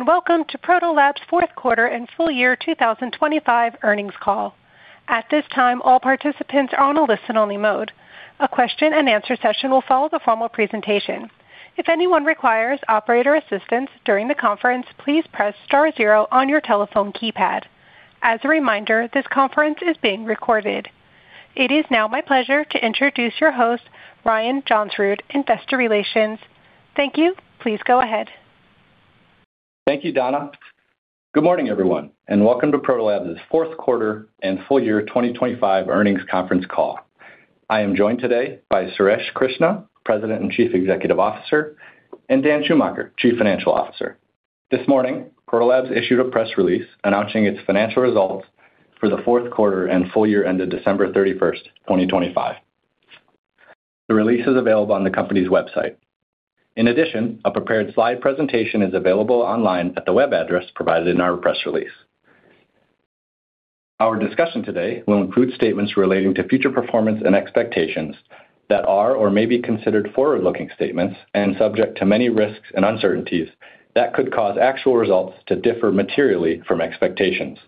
Greetings, and welcome to Protolabs' Fourth Quarter and Full Year 2025 Earnings Call. At this time, all participants are on a listen-only mode. A question-and-answer session will follow the formal presentation. If anyone requires operator assistance during the conference, please press star zero on your telephone keypad. As a reminder, this conference is being recorded. It is now my pleasure to introduce your host, Ryan Johnsrud, Investor Relations. Thank you. Please go ahead. Thank you, Donna. Good morning, everyone, and welcome to Protolabs' Fourth Quarter and Full Year 2025 Earnings Conference Call. I am joined today by Suresh Krishna, President and Chief Executive Officer, and Dan Schumacher, Chief Financial Officer. This morning, Protolabs issued a press release announcing its financial results for the fourth quarter and full year ended December 31st, 2025. The release is available on the company's website. In addition, a prepared slide presentation is available online at the web address provided in our press release. Our discussion today will include statements relating to future performance and expectations that are or may be considered forward-looking statements and subject to many risks and uncertainties that could cause actual results to differ materially from expectations.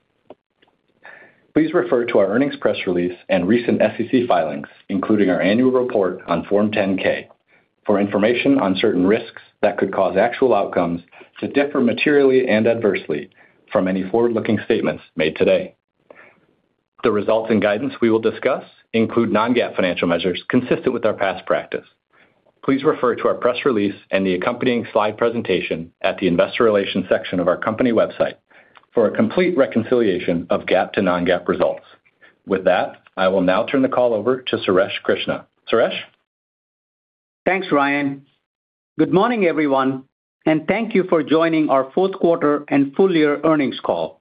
Please refer to our earnings press release and recent SEC filings, including our annual report on Form 10-K, for information on certain risks that could cause actual outcomes to differ materially and adversely from any forward-looking statements made today. The results and guidance we will discuss include non-GAAP financial measures consistent with our past practice. Please refer to our press release and the accompanying slide presentation at the Investor Relations section of our company website for a complete reconciliation of GAAP to non-GAAP results. With that, I will now turn the call over to Suresh Krishna. Suresh? Thanks, Ryan. Good morning, everyone, and thank you for joining our fourth quarter and full year earnings call.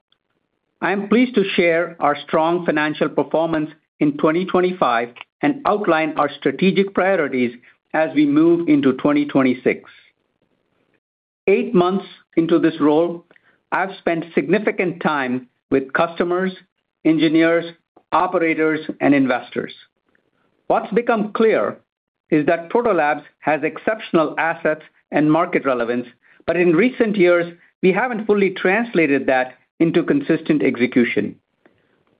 I am pleased to share our strong financial performance in 2025 and outline our strategic priorities as we move into 2026. Eight months into this role, I've spent significant time with customers, engineers, operators, and investors. What's become clear is that Protolabs has exceptional assets and market relevance, but in recent years, we haven't fully translated that into consistent execution.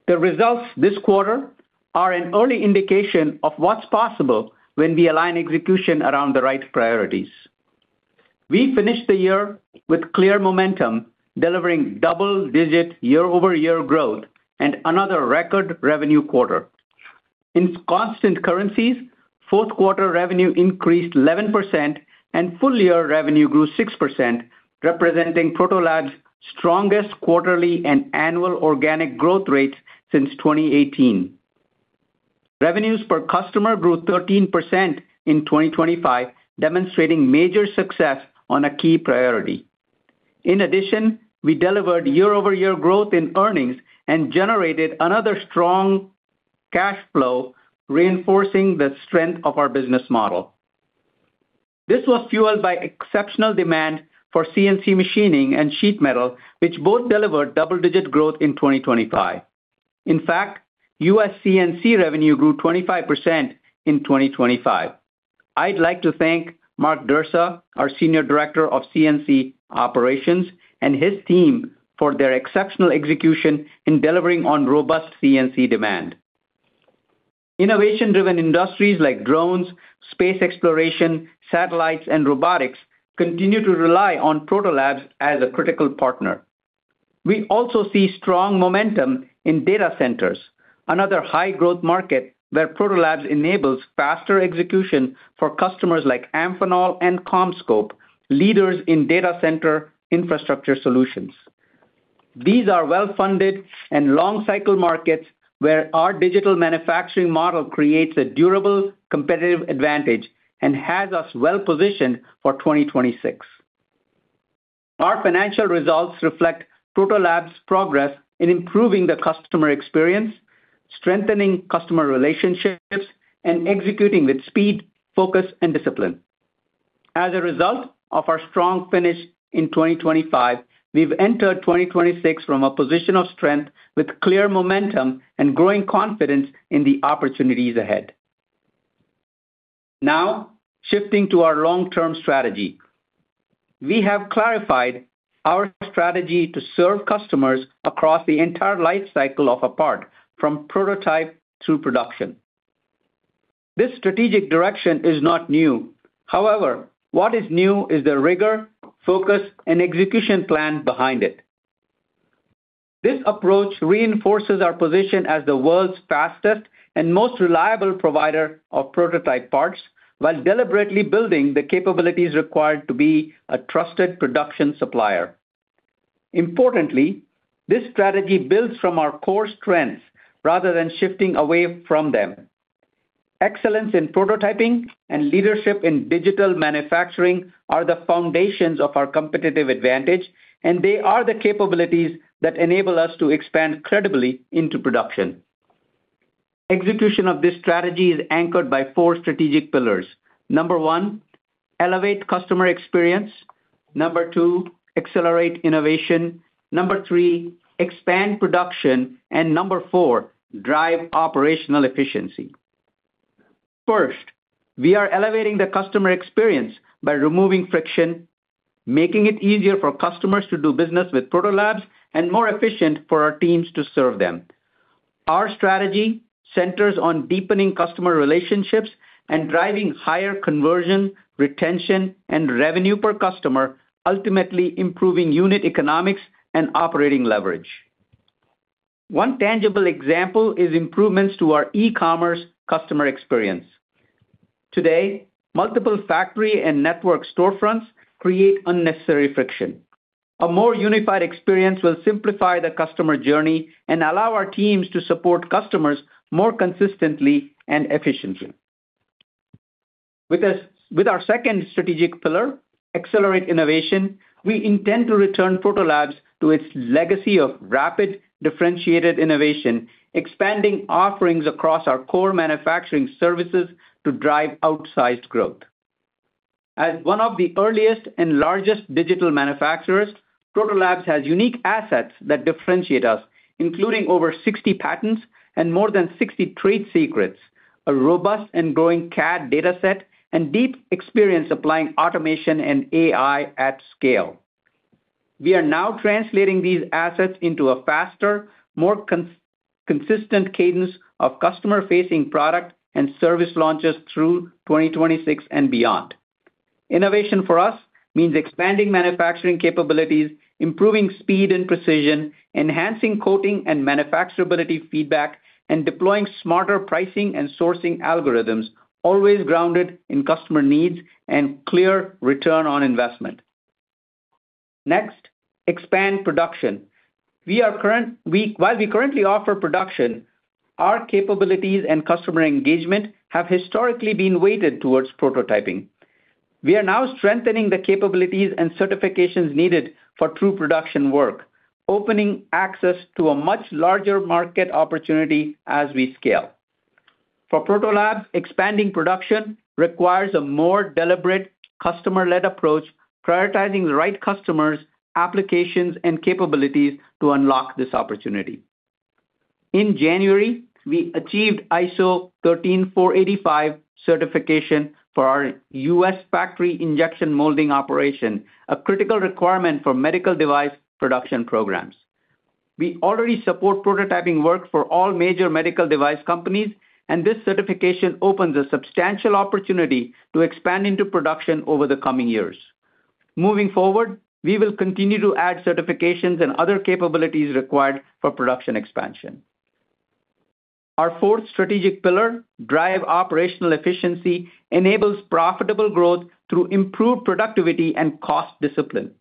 The results this quarter are an early indication of what's possible when we align execution around the right priorities. We finished the year with clear momentum, delivering double-digit year-over-year growth and another record revenue quarter. In constant currencies, fourth quarter revenue increased 11% and full-year revenue grew 6%, representing Protolabs' strongest quarterly and annual organic growth rates since 2018. Revenues per customer grew 13% in 2025, demonstrating major success on a key priority. In addition, we delivered year-over-year growth in earnings and generated another strong cash flow, reinforcing the strength of our business model. This was fueled by exceptional demand for CNC machining and sheet metal, which both delivered double-digit growth in 2025. In fact, U.S. CNC revenue grew 25% in 2025. I'd like to thank Mark Dursa, our Senior Director of CNC Operations, and his team for their exceptional execution in delivering on robust CNC demand. Innovation-driven industries like drones, space exploration, satellites, and robotics continue to rely on Protolabs as a critical partner. We also see strong momentum in data centers, another high-growth market where Protolabs enables faster execution for customers like Amphenol and CommScope, leaders in data center infrastructure solutions. These are well-funded and long-cycle markets where our digital manufacturing model creates a durable, competitive advantage and has us well positioned for 2026. Our financial results reflect Protolabs' progress in improving the customer experience, strengthening customer relationships, and executing with speed, focus, and discipline. As a result of our strong finish in 2025, we've entered 2026 from a position of strength with clear momentum and growing confidence in the opportunities ahead. Now, shifting to our long-term strategy. We have clarified our strategy to serve customers across the entire life cycle of a part, from prototype through production. This strategic direction is not new. However, what is new is the rigor, focus, and execution plan behind it. This approach reinforces our position as the world's fastest and most reliable provider of prototype parts, while deliberately building the capabilities required to be a trusted production supplier. Importantly, this strategy builds from our core strengths rather than shifting away from them. Excellence in prototyping and leadership in digital manufacturing are the foundations of our competitive advantage, and they are the capabilities that enable us to expand credibly into production. Execution of this strategy is anchored by four strategic pillars. Number one, Elevate Customer Experience. Number two, Accelerate Innovation. Number three, Expand Production. And number four, Drive Operational Efficiency.... first, we are elevating the customer experience by removing friction, making it easier for customers to do business with Protolabs, and more efficient for our teams to serve them. Our strategy centers on deepening customer relationships and driving higher conversion, retention, and revenue per customer, ultimately improving unit economics and operating leverage. One tangible example is improvements to our e-commerce customer experience. Today, multiple factory and network storefronts create unnecessary friction. A more unified experience will simplify the customer journey and allow our teams to support customers more consistently and efficiently. With this, with our second strategic pillar, Accelerate Innovation, we intend to return Protolabs to its legacy of rapid, differentiated innovation, expanding offerings across our core manufacturing services to drive outsized growth. As one of the earliest and largest digital manufacturers, Protolabs has unique assets that differentiate us, including over 60 patents and more than 60 trade secrets, a robust and growing CAD dataset, and deep experience applying automation and AI at scale. We are now translating these assets into a faster, more consistent cadence of customer-facing product and service launches through 2026 and beyond. Innovation, for us, means expanding manufacturing capabilities, improving speed and precision, enhancing quoting and manufacturability feedback, and deploying smarter pricing and sourcing algorithms, always grounded in customer needs and clear return on investment. Next, Expand Production. We are currently, while we currently offer production, our capabilities and customer engagement have historically been weighted towards prototyping. We are now strengthening the capabilities and certifications needed for true production work, opening access to a much larger market opportunity as we scale. For Protolabs, expanding production requires a more deliberate customer-led approach, prioritizing the right customers, applications, and capabilities to unlock this opportunity. In January, we achieved ISO 13485 certification for our U.S. factory injection molding operation, a critical requirement for medical device production programs. We already support prototyping work for all major medical device companies, and this certification opens a substantial opportunity to expand into production over the coming years. Moving forward, we will continue to add certifications and other capabilities required for production expansion. Our fourth strategic pillar, Drive Operational Efficiency, enables profitable growth through improved productivity and cost discipline.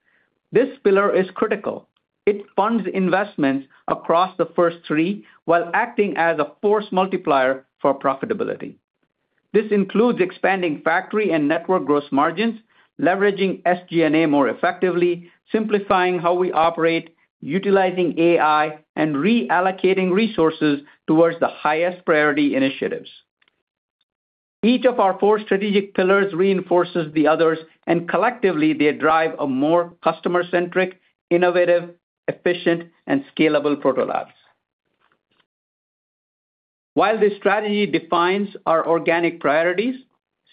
This pillar is critical. It funds investments across the first three, while acting as a force multiplier for profitability. This includes expanding factory and network gross margins, leveraging SG&A more effectively, simplifying how we operate, utilizing AI, and reallocating resources towards the highest priority initiatives. Each of our four strategic pillars reinforces the others, and collectively, they drive a more customer-centric, innovative, efficient, and scalable Protolabs. While this strategy defines our organic priorities,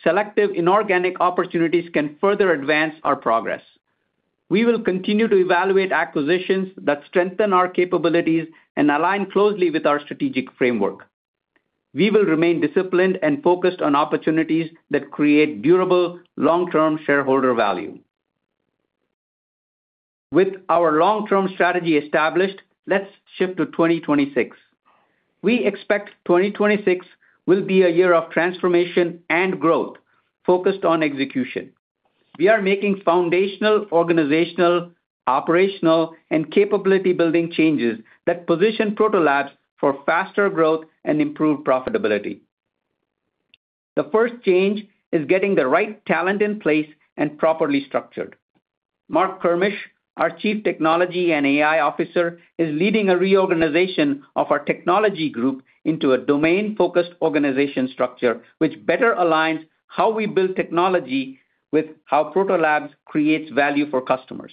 selective inorganic opportunities can further advance our progress. We will continue to evaluate acquisitions that strengthen our capabilities and align closely with our strategic framework. We will remain disciplined and focused on opportunities that create durable, long-term shareholder value. With our long-term strategy established, let's shift to 2026. We expect 2026 will be a year of transformation and growth, focused on execution. We are making foundational, organizational, operational, and capability-building changes that position Protolabs for faster growth and improved profitability. The first change is getting the right talent in place and properly structured. Marc Kermisch, our Chief Technology and AI Officer, is leading a reorganization of our technology group into a domain-focused organization structure, which better aligns how we build technology with how Protolabs creates value for customers.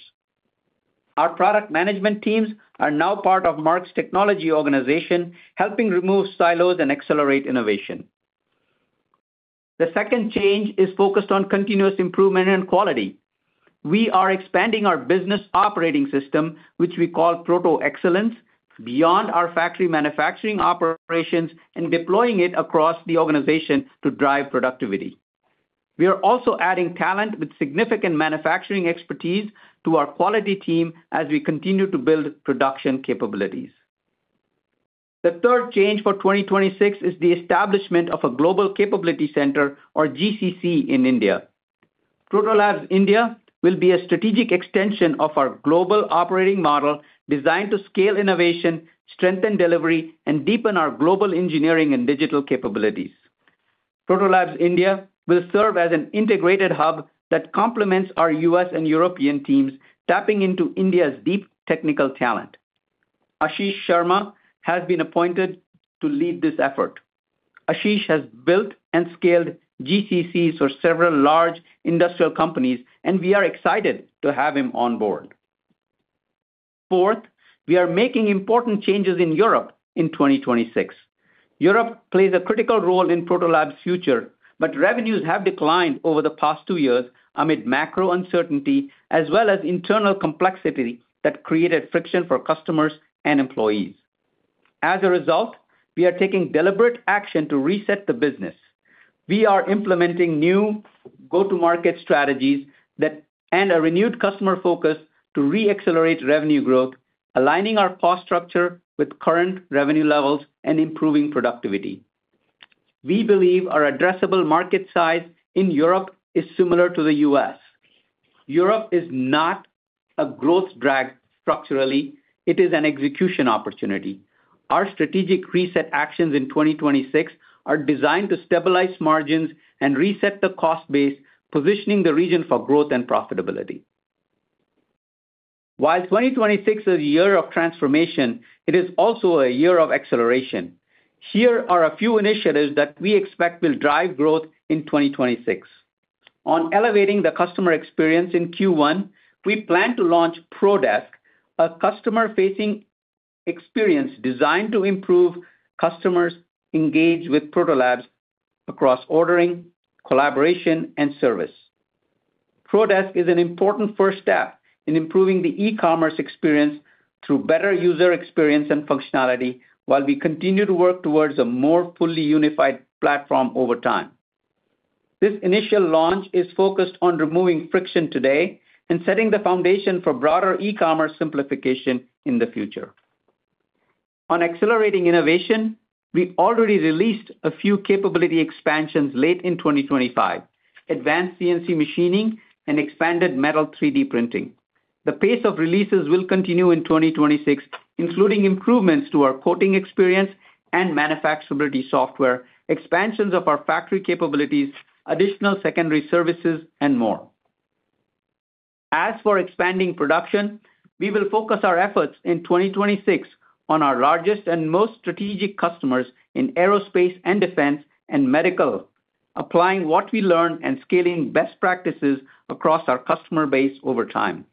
Our product management teams are now part of Marc's technology organization, helping remove silos and Accelerate Innovation. The second change is focused on continuous improvement and quality. We are expanding our business operating system, which we call Proto Excellence, beyond our factory manufacturing operations and deploying it across the organization to drive productivity. We are also adding talent with significant manufacturing expertise to our quality team as we continue to build production capabilities. The third change for 2026 is the establishment of a Global Capability Center or GCC in India. Protolabs India will be a strategic extension of our global operating model designed to scale innovation, strengthen delivery, and deepen our global engineering and digital capabilities. Protolabs India will serve as an integrated hub that complements our U.S. and European teams, tapping into India's deep technical talent. Ashish Sharma has been appointed to lead this effort. Ashish has built and scaled GCCs for several large industrial companies, and we are excited to have him on board.... Fourth, we are making important changes in Europe in 2026. Europe plays a critical role in Protolabs' future, but revenues have declined over the past two years amid macro uncertainty, as well as internal complexity that created friction for customers and employees. As a result, we are taking deliberate action to reset the business. We are implementing new go-to-market strategies that and a renewed customer focus to re-accelerate revenue growth, aligning our cost structure with current revenue levels and improving productivity. We believe our addressable market size in Europe is similar to the U.S. Europe is not a growth drag structurally, it is an execution opportunity. Our strategic reset actions in 2026 are designed to stabilize margins and reset the cost base, positioning the region for growth and profitability. While 2026 is a year of transformation, it is also a year of acceleration. Here are a few initiatives that we expect will drive growth in 2026. On elevating the customer experience in Q1, we plan to launch ProDesk, a customer-facing experience designed to improve customers engaged with Protolabs across ordering, collaboration, and service. ProDesk is an important first step in improving the e-commerce experience through better user experience and functionality, while we continue to work towards a more fully unified platform over time. This initial launch is focused on removing friction today and setting the foundation for broader e-commerce simplification in the future. On accelerating innovation, we already released a few capability expansions late in 2025: advanced CNC machining and expanded metal 3D printing. The pace of releases will continue in 2026, including improvements to our quoting experience and manufacturability software, expansions of our factory capabilities, additional secondary services, and more. As for expanding production, we will focus our efforts in 2026 on our largest and most strategic customers in aerospace and defense and medical, applying what we learn and scaling best practices across our customer base over time.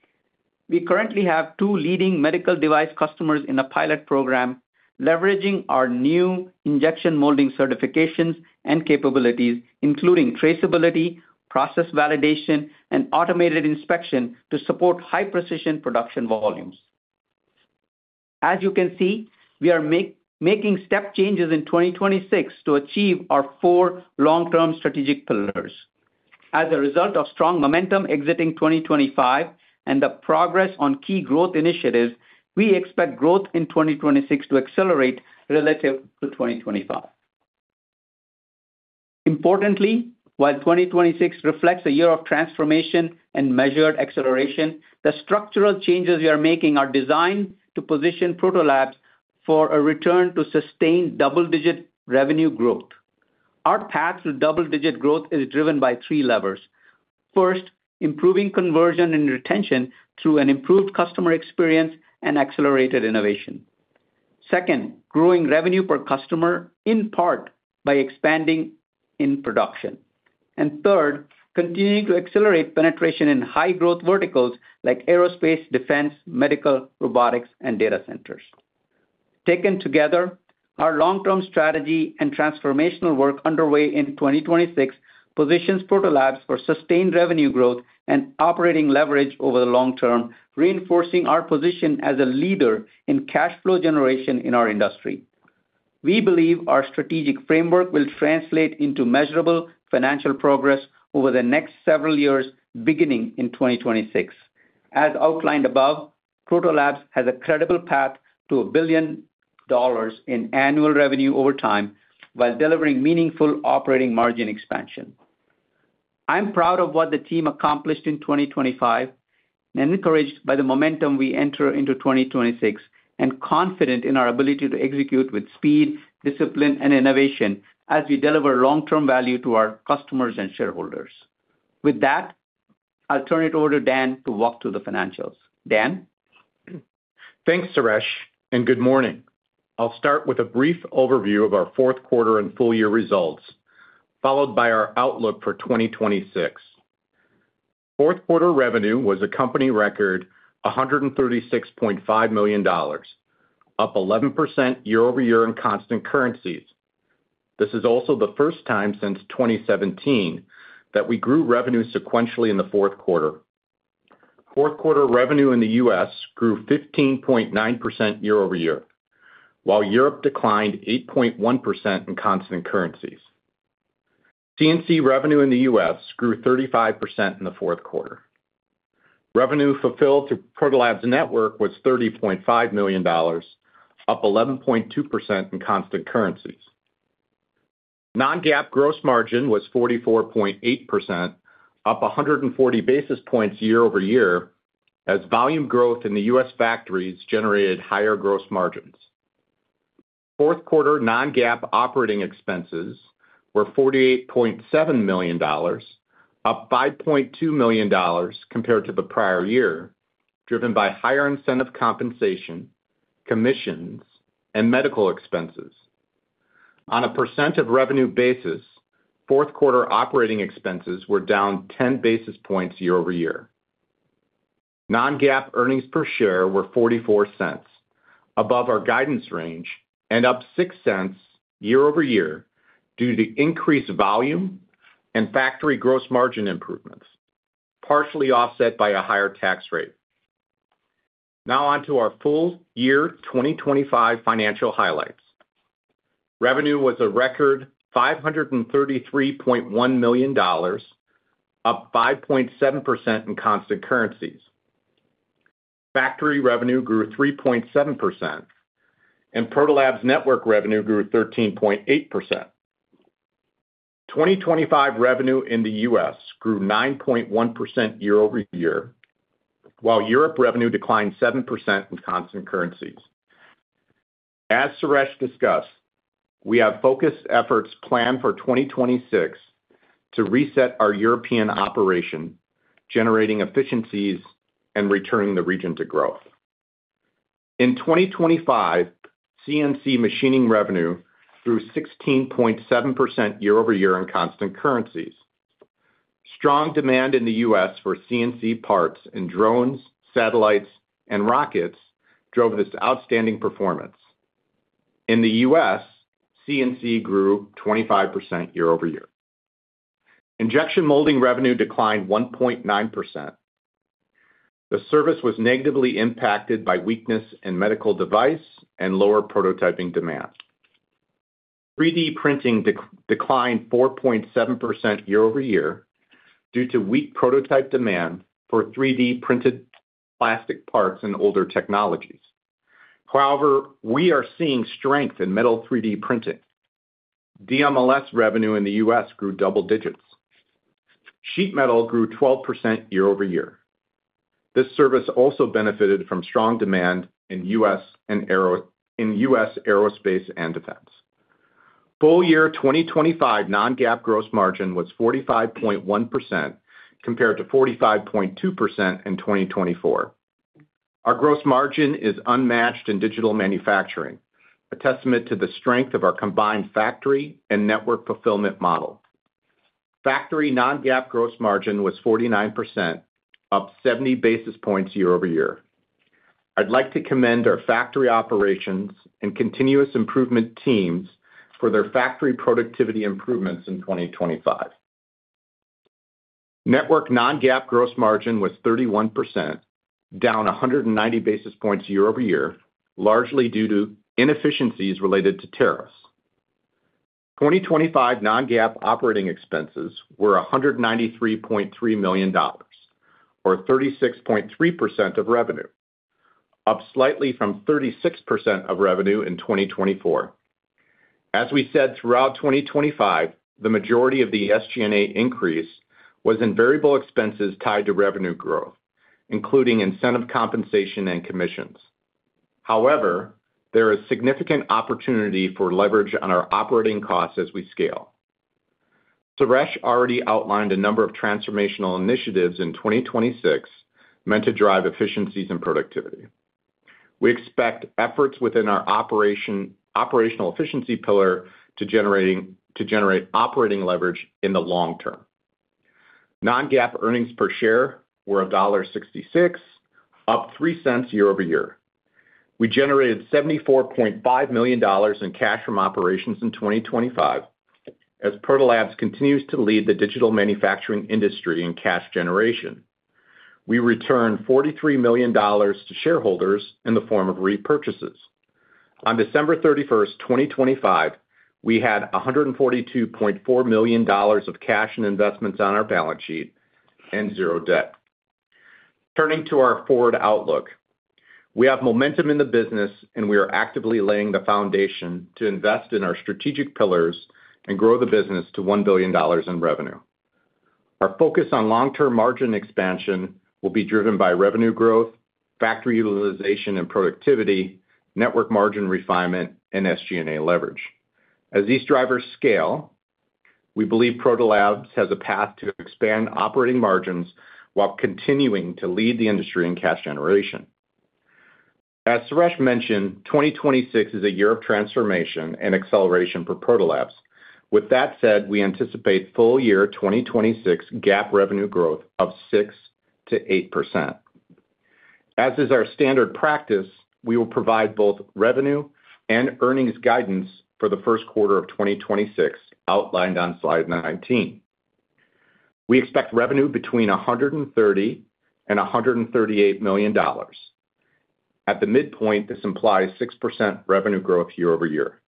We currently have two leading medical device customers in a pilot program, leveraging our new injection molding certifications and capabilities, including traceability, process validation, and automated inspection to support high-precision production volumes. As you can see, we are making step changes in 2026 to achieve our four long-term strategic pillars. As a result of strong momentum exiting 2025 and the progress on key growth initiatives, we expect growth in 2026 to accelerate relative to 2025. Importantly, while 2026 reflects a year of transformation and measured acceleration, the structural changes we are making are designed to position Protolabs for a return to sustained double-digit revenue growth. Our path to double-digit growth is driven by three levers. First, improving conversion and retention through an improved customer experience and accelerated innovation. Second, growing revenue per customer, in part by expanding in production. And third, continuing to accelerate penetration in high-growth verticals like aerospace, defense, medical, robotics, and data centers. Taken together, our long-term strategy and transformational work underway in 2026 positions Protolabs for sustained revenue growth and operating leverage over the long term, reinforcing our position as a leader in cash flow generation in our industry. We believe our strategic framework will translate into measurable financial progress over the next several years, beginning in 2026. As outlined above, Protolabs has a credible path to $1 billion in annual revenue over time while delivering meaningful operating margin expansion. I'm proud of what the team accomplished in 2025, and encouraged by the momentum we enter into 2026, and confident in our ability to execute with speed, discipline, and innovation as we deliver long-term value to our customers and shareholders. With that, I'll turn it over to Dan to walk through the financials. Dan? Thanks, Suresh, and good morning. I'll start with a brief overview of our fourth quarter and full year results, followed by our outlook for 2026. Fourth quarter revenue was a company record, $136.5 million, up 11% year-over-year in constant currencies. This is also the first time since 2017 that we grew revenue sequentially in the fourth quarter. Fourth quarter revenue in the U.S. grew 15.9% year-over-year, while Europe declined 8.1% in constant currencies. CNC revenue in the U.S. grew 35% in the fourth quarter. Revenue fulfilled through Protolabs Network was $30.5 million, up 11.2% in constant currencies. Non-GAAP gross margin was 44.8%, up 140 basis points year-over-year, as volume growth in the U.S. factories generated higher gross margins. Fourth quarter non-GAAP operating expenses were $48.7 million, up $5.2 million compared to the prior year, driven by higher incentive compensation, commissions, and medical expenses.... On a percent of revenue basis, fourth quarter operating expenses were down 10 basis points year-over-year. Non-GAAP earnings per share were $0.44, above our guidance range and up $0.06 year-over-year, due to the increased volume and factory gross margin improvements, partially offset by a higher tax rate. Now on to our full-year 2025 financial highlights. Revenue was a record $533.1 million, up 5.7% in constant currencies. Factory revenue grew 3.7%, and Protolabs Network revenue grew 13.8%. 2025 revenue in the U.S. grew 9.1% year-over-year, while Europe revenue declined 7% in constant currencies. As Suresh discussed, we have focused efforts planned for 2026 to reset our European operation, generating efficiencies and returning the region to growth. In 2025, CNC machining revenue grew 16.7% year-over-year in constant currencies. Strong demand in the U.S. for CNC parts in drones, satellites, and rockets drove this outstanding performance. In the U.S., CNC grew 25% year-over-year. Injection molding revenue declined 1.9%. The service was negatively impacted by weakness in medical device and lower prototyping demand. 3D printing declined 4.7% year-over-year due to weak prototype demand for 3D printed plastic parts in older technologies. However, we are seeing strength in metal 3D printing. DMLS revenue in the U.S. grew double digits. Sheet metal grew 12% year-over-year. This service also benefited from strong demand in U.S. and aero- in U.S. aerospace and defense. Full year 2025 non-GAAP gross margin was 45.1%, compared to 45.2% in 2024. Our gross margin is unmatched in digital manufacturing, a testament to the strength of our combined factory and network fulfillment model. Factory non-GAAP gross margin was 49%, up 70 basis points year-over-year. I'd like to commend our factory operations and continuous improvement teams for their factory productivity improvements in 2025. Network non-GAAP gross margin was 31%, down 190 basis points year-over-year, largely due to inefficiencies related to tariffs. 2025 non-GAAP operating expenses were $193.3 million, or 36.3% of revenue, up slightly from 36% of revenue in 2024. As we said, throughout 2025, the majority of the SG&A increase was in variable expenses tied to revenue growth, including incentive, compensation, and commissions. However, there is significant opportunity for leverage on our operating costs as we scale. Suresh already outlined a number of transformational initiatives in 2026 meant to drive efficiencies and productivity. We expect efforts within our operational efficiency pillar to generate operating leverage in the long term. Non-GAAP earnings per share were $1.66, up $0.03 year-over-year. We generated $74.5 million in cash from operations in 2025, as Protolabs continues to lead the digital manufacturing industry in cash generation. We returned $43 million to shareholders in the form of repurchases. On December 31, 2025, we had $142.4 million of cash and investments on our balance sheet and zero debt. Turning to our forward outlook. We have momentum in the business, and we are actively laying the foundation to invest in our strategic pillars and grow the business to $1 billion in revenue. Our focus on long-term margin expansion will be driven by revenue growth, factory utilization and productivity, network margin refinement, and SG&A leverage. As these drivers scale, we believe Protolabs has a path to expand operating margins while continuing to lead the industry in cash generation. As Suresh mentioned, 2026 is a year of transformation and acceleration for Protolabs. With that said, we anticipate full year 2026 GAAP revenue growth of 6%-8%. As is our standard practice, we will provide both revenue and earnings guidance for the first quarter of 2026, outlined on slide 19. We expect revenue between $130 million and $138 million. At the midpoint, this implies 6% revenue growth year-over-year.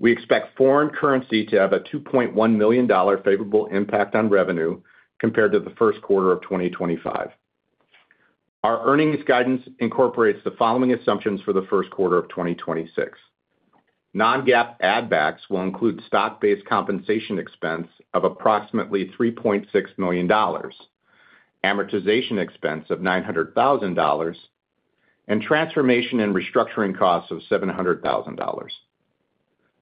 We expect foreign currency to have a $2.1 million favorable impact on revenue compared to the first quarter of 2025. Our earnings guidance incorporates the following assumptions for the first quarter of 2026. Non-GAAP add backs will include stock-based compensation expense of approximately $3.6 million, amortization expense of $900,000, and transformation and restructuring costs of $700,000.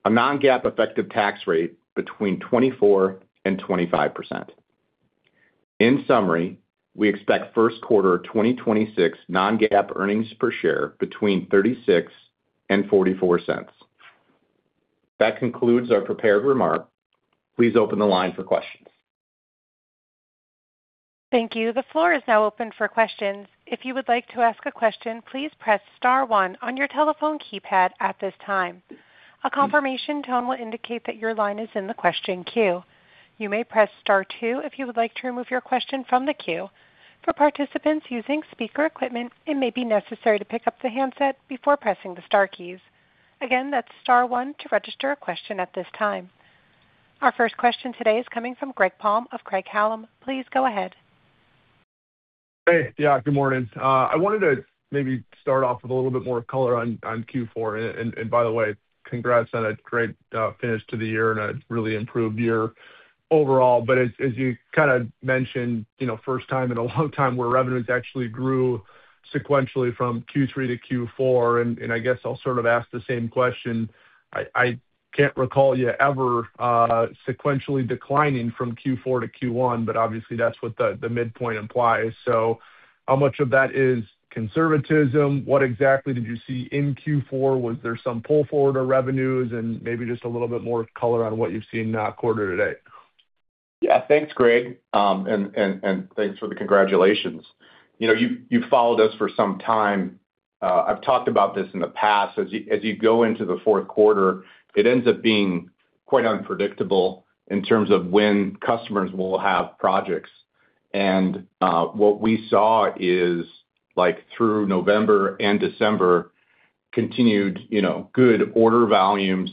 A non-GAAP effective tax rate between 24%-25%. In summary, we expect first quarter of 2026 non-GAAP earnings per share between $0.36-$0.44. That concludes our prepared remarks. Please open the line for questions. Thank you. The floor is now open for questions. If you would like to ask a question, please press star one on your telephone keypad at this time. A confirmation tone will indicate that your line is in the question queue. You may press star two if you would like to remove your question from the queue. For participants using speaker equipment, it may be necessary to pick up the handset before pressing the star keys. Again, that's star one to register a question at this time. Our first question today is coming from Greg Palm of Craig-Hallum. Please go ahead. Hey, yeah, good morning. I wanted to maybe start off with a little bit more color on Q4. And by the way, congrats on a great finish to the year and a really improved year overall. But as you kind of mentioned, you know, first time in a long time where revenues actually grew sequentially from Q3 to Q4, and I guess I'll sort of ask the same question. I can't recall you ever sequentially declining from Q4 to Q1, but obviously that's what the midpoint implies. So how much of that is conservatism? What exactly did you see in Q4? Was there some pull forward or revenues? And maybe just a little bit more color on what you've seen quarter to date. Yeah. Thanks, Greg. And thanks for the congratulations. You know, you've followed us for some time. I've talked about this in the past. As you go into the fourth quarter, it ends up being quite unpredictable in terms of when customers will have projects. And what we saw is, like, through November and December, continued, you know, good order volumes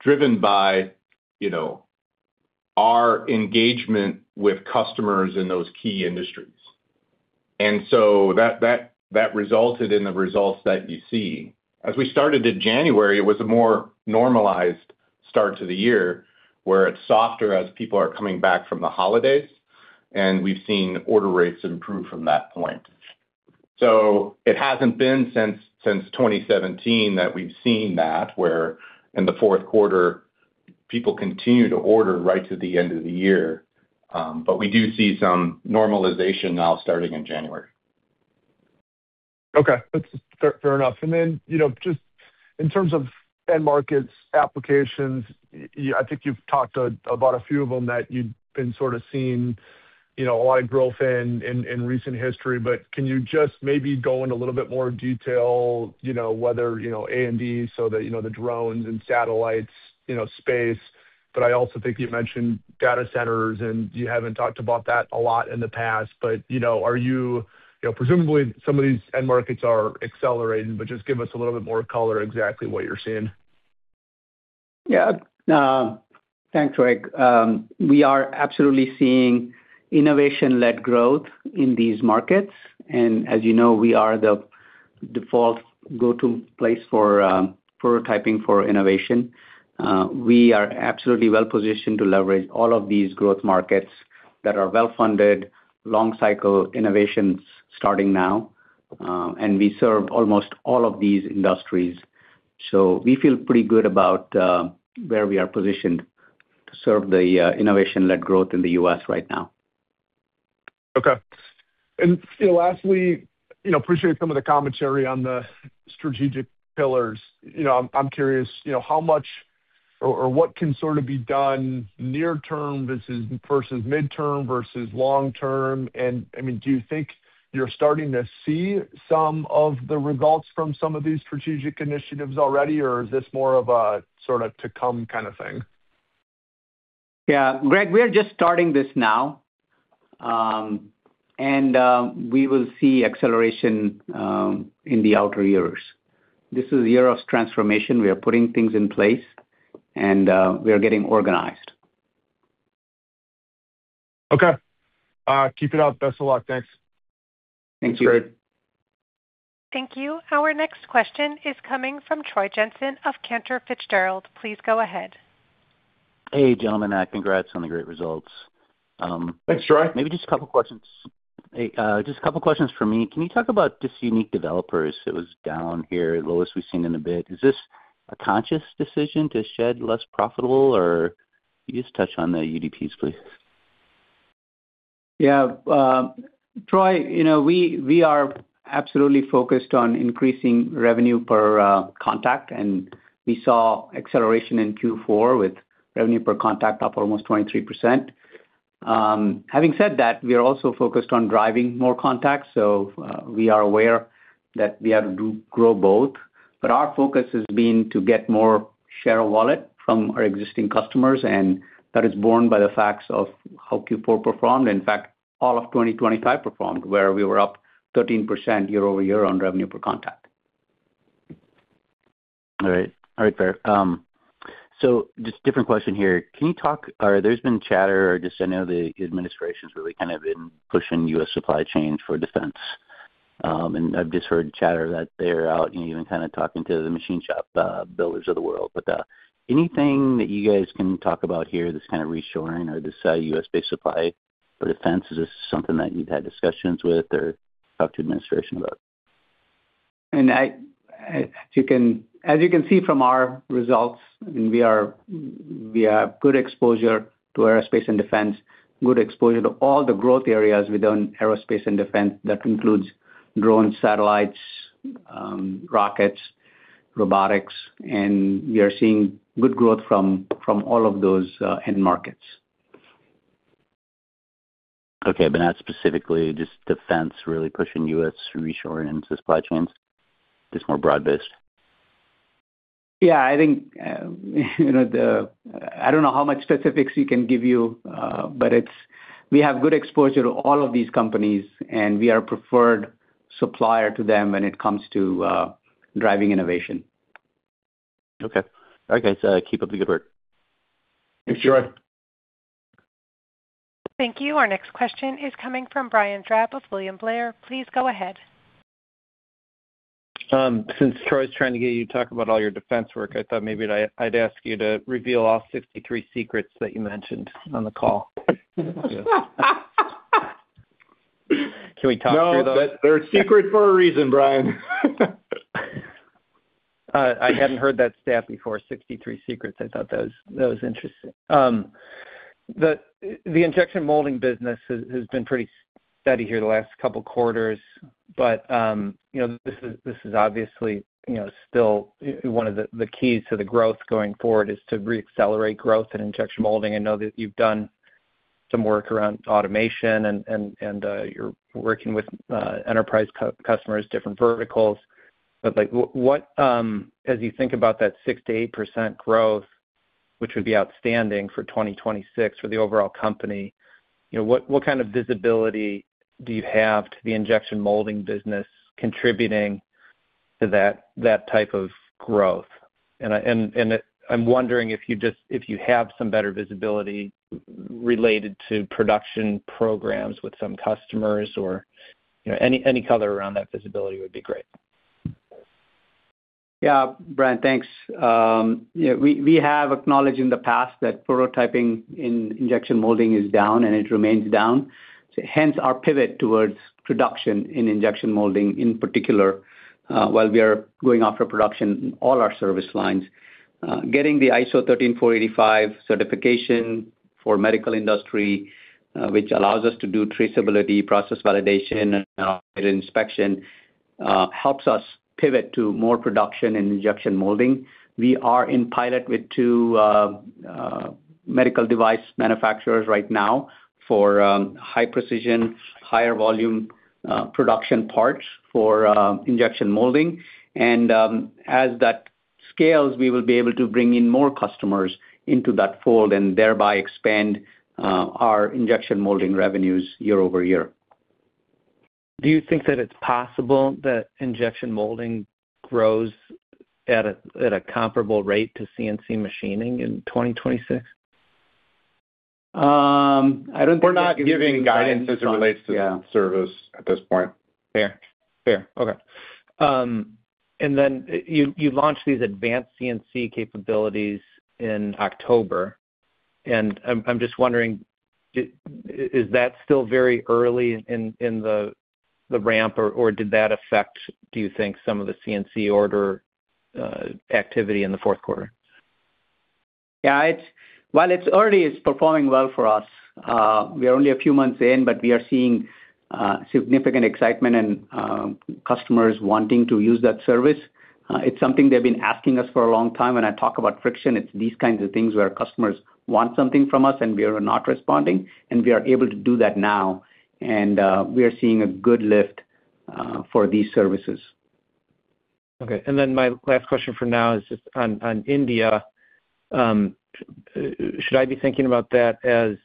driven by, you know, our engagement with customers in those key industries. And so that resulted in the results that you see. As we started in January, it was a more normalized start to the year, where it's softer as people are coming back from the holidays, and we've seen order rates improve from that point. So it hasn't been since 2017 that we've seen that, where in the fourth quarter, people continue to order right to the end of the year, but we do see some normalization now starting in January. Okay, that's fair, fair enough. And then, you know, just in terms of end markets, applications, you—I think you've talked about a few of them that you've been sort of seeing, you know, a lot of growth in, in recent history. But can you just maybe go into a little bit more detail, you know, whether, you know, A and D, so that, you know, the drones and satellites, you know, space. But, you know, are you... You know, presumably some of these end markets are accelerating, but just give us a little bit more color, exactly what you're seeing. Yeah. Thanks, Greg. We are absolutely seeing innovation-led growth in these markets, and as you know, we are the default go-to place for prototyping for innovation. We are absolutely well positioned to leverage all of these growth markets that are well-funded, long cycle innovations starting now, and we serve almost all of these industries. So we feel pretty good about where we are positioned to serve the innovation-led growth in the U.S. right now. Okay. And lastly, you know, appreciate some of the commentary on the strategic pillars. You know, I'm curious, you know, how much or what can sort of be done near term versus midterm versus long term? And, I mean, do you think you're starting to see some of the results from some of these strategic initiatives already, or is this more of a sort of to-come kind of thing? Yeah, Greg, we are just starting this now, and we will see acceleration in the outer years. This is a year of transformation. We are putting things in place, and we are getting organized. Okay. Keep it up. Best of luck. Thanks. Thank you. Thanks, Greg. Thank you. Our next question is coming from Troy Jensen of Cantor Fitzgerald. Please go ahead. Hey, gentlemen, congrats on the great results. Thanks, Troy. Maybe just a couple questions. Hey, just a couple questions for me. Can you talk about just unique developers? It was down here, lowest we've seen in a bit. Is this a conscious decision to shed less profitable, or can you just touch on the UDPs, please? Yeah, Troy, you know, we, we are absolutely focused on increasing revenue per contact, and we saw acceleration in Q4 with revenue per contact up almost 23%. Having said that, we are also focused on driving more contacts, so, we are aware that we have to grow both. But our focus has been to get more share of wallet from our existing customers, and that is borne by the facts of how Q4 performed. In fact, all of 2025 performed, where we were up 13% year-over-year on revenue per contact. All right. All right, fair. So just different question here. Can you talk... there's been chatter, or just I know the administration's really kind of been pushing U.S. supply chains for defense. And I've just heard chatter that they're out and even kind of talking to the machine shop, builders of the world. But, anything that you guys can talk about here, this kind of reshoring or this, U.S.-based supply for defense? Is this something that you've had discussions with or talked to administration about?... And I, you can, as you can see from our results, I mean, we are, we have good exposure to aerospace and defense, good exposure to all the growth areas within aerospace and defense. That includes drone, satellites, rockets, robotics, and we are seeing good growth from all of those end markets. Okay. But not specifically, just defense really pushing you as reshoring into supply chains? Just more broad-based. Yeah, I think, you know, I don't know how much specifics we can give you, but we have good exposure to all of these companies, and we are a preferred supplier to them when it comes to driving innovation. Okay. All right, guys, keep up the good work. Thanks, Troy. Thank you. Our next question is coming from Brian Drab of William Blair. Please go ahead. Since Troy's trying to get you to talk about all your defense work, I thought maybe I'd ask you to reveal all 63 secrets that you mentioned on the call. Can we talk through those? No, they're a secret for a reason, Brian. I hadn't heard that stat before, 63 secrets. I thought that was interesting. The injection molding business has been pretty steady here the last couple quarters, but you know, this is obviously you know, still one of the keys to the growth going forward, is to reaccelerate growth in injection molding. I know that you've done some work around automation and you're working with enterprise customers, different verticals. But like, what, as you think about that 6%-8% growth, which would be outstanding for 2026 for the overall company, you know, what kind of visibility do you have to the injection molding business contributing to that type of growth? I'm wondering if you just, if you have some better visibility related to production programs with some customers or, you know, any, any color around that visibility would be great? Yeah, Brian, thanks. Yeah, we have acknowledged in the past that prototyping in injection molding is down, and it remains down, so hence our pivot towards production in injection molding in particular, while we are going after production in all our service lines. Getting the ISO 13485 certification for medical industry, which allows us to do traceability, process validation, and inspection, helps us pivot to more production in injection molding. We are in pilot with two medical device manufacturers right now for high precision, higher volume production parts for injection molding. And, as that scales, we will be able to bring in more customers into that fold and thereby expand our injection molding revenues year-over-year. Do you think that it's possible that injection molding grows at a comparable rate to CNC machining in 2026? We're not giving guidance as it relates to service at this point. Fair. Fair. Okay. And then you launched these advanced CNC capabilities in October, and I'm just wondering, is that still very early in the ramp or did that affect, do you think, some of the CNC order activity in the fourth quarter? Yeah, it's... While it's early, it's performing well for us. We are only a few months in, but we are seeing significant excitement and customers wanting to use that service. It's something they've been asking us for a long time. When I talk about friction, it's these kinds of things where customers want something from us, and we are not responding, and we are able to do that now, and we are seeing a good lift for these services. Okay, and then my last question for now is just on India. Should I be thinking about that as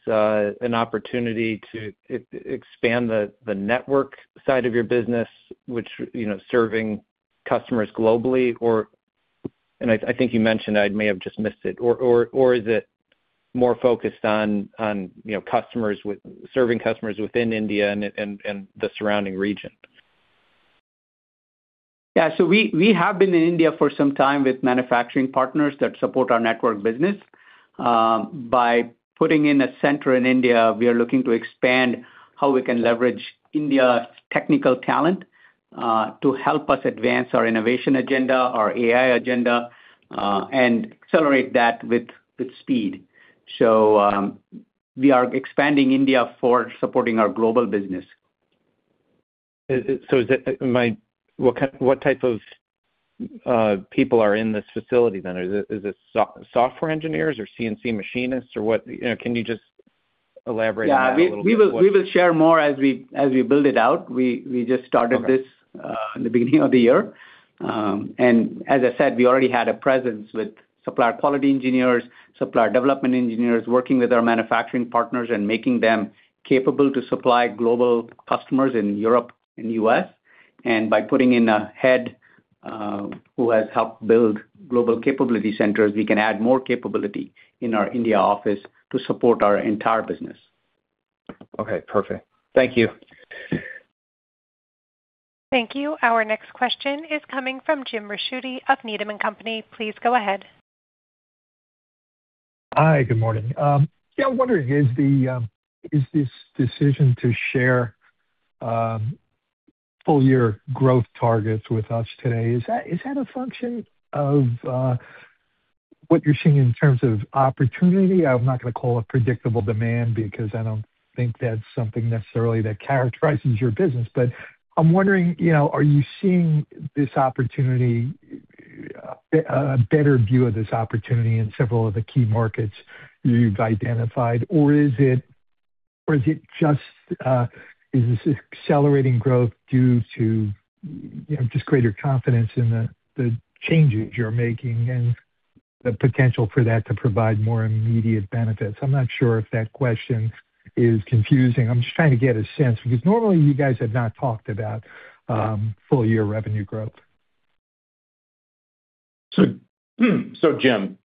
an opportunity to expand the network side of your business, which, you know, serving customers globally? Or, and I think you mentioned, I may have just missed it, or is it more focused on, you know, customers with serving customers within India and the surrounding region? Yeah, so we have been in India for some time with manufacturing partners that support our network business. By putting in a center in India, we are looking to expand how we can leverage India's technical talent to help us advance our innovation agenda, our AI agenda, and accelerate that with speed. We are expanding India for supporting our global business. So, what type of people are in this facility then? Is it software engineers or CNC machinists or what? You know, can you just elaborate on that a little bit? Yeah, we will share more as we build it out. Okay. We just started this in the beginning of the year. As I said, we already had a presence with supplier quality engineers, supplier development engineers, working with our manufacturing partners and making them capable to supply global customers in Europe and U.S. By putting in a head who has helped build global capability centers, we can add more capability in our India office to support our entire business. Okay, perfect. Thank you. Thank you. Our next question is coming from Jim Ricchiuti of Needham & Company. Please go ahead.... Hi, good morning. Yeah, I'm wondering, is the, is this decision to share, full year growth targets with us today, is that, is that a function of, what you're seeing in terms of opportunity? I'm not gonna call it predictable demand, because I don't think that's something necessarily that characterizes your business. But I'm wondering, you know, are you seeing this opportunity, a better view of this opportunity in several of the key markets you've identified? Or is it, or is it just, is this accelerating growth due to, you know, just greater confidence in the, the changes you're making and the potential for that to provide more immediate benefits? I'm not sure if that question is confusing. I'm just trying to get a sense, because normally you guys have not talked about, full year revenue growth. So, Jim,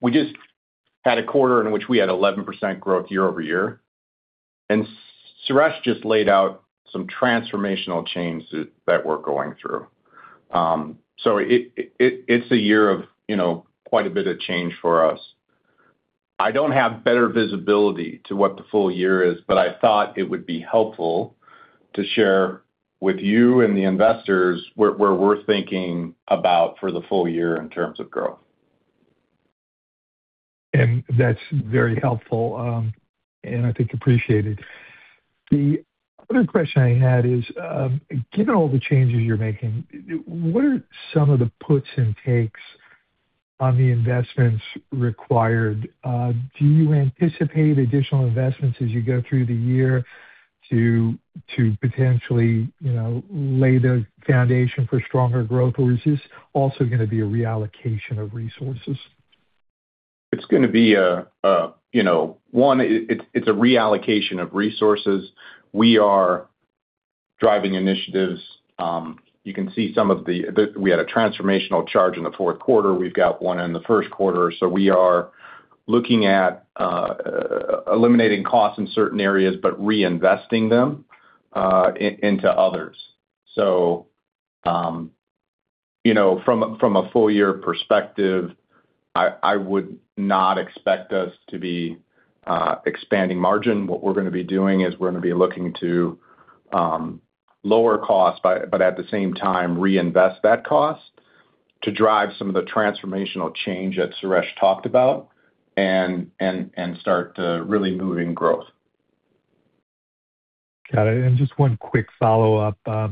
we just had a quarter in which we had 11% growth year-over-year, and Suresh just laid out some transformational changes that we're going through. So it’s a year of, you know, quite a bit of change for us. I don't have better visibility to what the full year is, but I thought it would be helpful to share with you and the investors where we're thinking about for the full year in terms of growth. That's very helpful, and I think appreciated. The other question I had is, given all the changes you're making, what are some of the puts and takes on the investments required? Do you anticipate additional investments as you go through the year to potentially, you know, lay the foundation for stronger growth, or is this also gonna be a reallocation of resources? It's gonna be a reallocation of resources. We are driving initiatives. You can see some of the we had a transformational charge in the fourth quarter. We've got one in the first quarter. So we are looking at eliminating costs in certain areas, but reinvesting them into others. So, you know, from a full year perspective, I would not expect us to be expanding margin. What we're gonna be doing is we're gonna be looking to lower costs, but at the same time reinvest that cost to drive some of the transformational change that Suresh talked about and start to really moving growth. Got it, and just one quick follow-up. I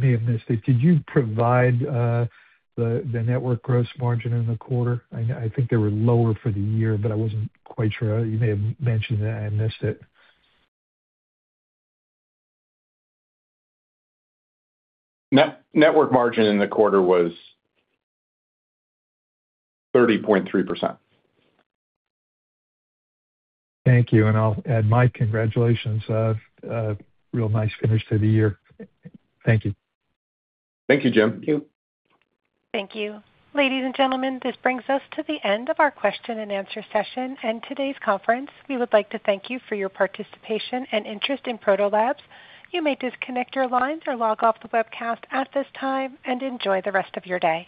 may have missed it. Did you provide the network gross margin in the quarter? I think they were lower for the year, but I wasn't quite sure. You may have mentioned that I missed it. Net margin in the quarter was 30.3%. Thank you, and I'll add my congratulations. Real nice finish to the year. Thank you. Thank you, Jim. Thank you. Ladies and gentlemen, this brings us to the end of our question and answer session and today's conference. We would like to thank you for your participation and interest in Protolabs. You may disconnect your lines or log off the webcast at this time, and enjoy the rest of your day.